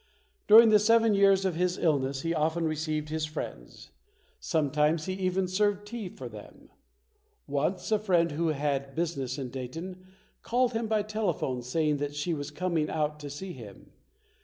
During the seven years of his illness, he often received his friends. Sometimes he even served tea for them. Once a friend who had business in Dayton called him by telephone saying that she was coming out to see him.